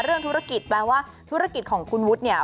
เรื่องธุรกิจแปลว่าธุรกิจของคุณวุฒิเนี่ย